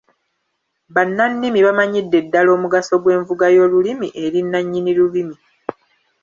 Bannannimi bamanyidde ddala omugaso gw’envuga y’olulimi eri nnannyini lulimi.